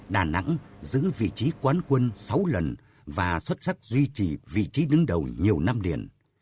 đà nẵng giữ vị trí quán quân sáu lần và xuất sắc duy trì vị trí đứng đầu nhiều năm liền